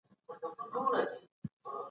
که تجربه کار استاد وي نو زده کړه نه سسته کېږي.